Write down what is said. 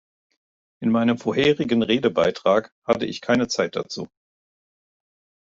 In meinem vorherigen Redebeitrag hatte ich keine Zeit dazu.